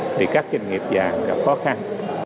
thì các doanh nghiệp vàng gặp khó khăn